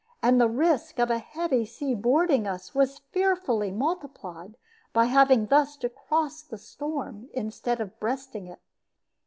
And the risk of a heavy sea boarding us was fearfully multiplied by having thus to cross the storm instead of breasting it.